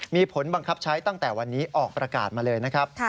มีผลบังคับใช้ตั้งแต่วันนี้ออกประกาศมาเลยนะครับ